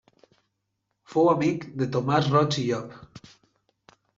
Fou amic de Tomàs Roig i Llop.